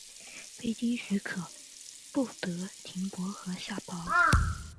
非经许可不得停泊和下锚。